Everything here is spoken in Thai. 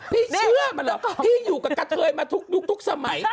พี่เชื่อมันเหรอพี่อยู่กับกะเทยมาทุกยุคทุกสมัย